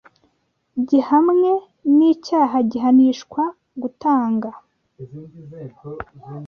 gihamwe n icyaha gihanishwa gutanga